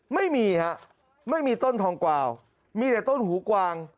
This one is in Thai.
ไม่มีฮะไม่มีต้นทองกวาวมีแต่ต้นหูกวาง